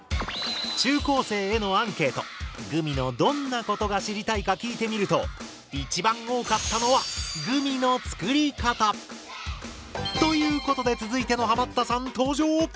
中高生へのアンケートグミのどんなことが知りたいか聞いてみると一番多かったのは「グミの作り方」。ということで続いてのハマったさん登場！